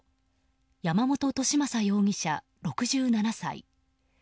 山本寿正容疑者、６７歳。